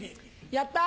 やった。